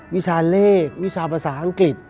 วิชาเลขวิชาภาษาอังกฤษ